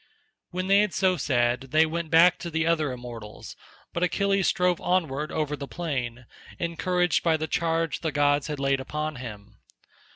When they had so said they went back to the other immortals, but Achilles strove onward over the plain, encouraged by the charge the gods had laid upon him.